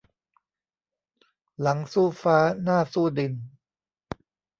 หลังสู้ฟ้าหน้าสู้ดิน